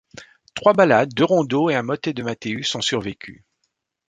Trois ballades, deux rondeaux et un motet de Matheus ont survécu.